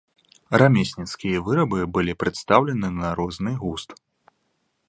Рамесніцкія вырабы былі прадстаўлены на розны густ.